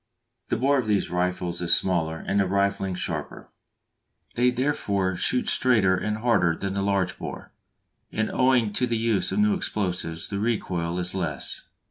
The bore of these rifles is smaller and the rifling sharper; they therefore shoot straighter and harder than the large bore, and owing to the use of new explosives the recoil is less.